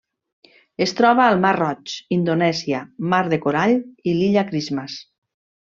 Es troba al Mar Roig, Indonèsia, Mar del Corall i l'Illa Christmas.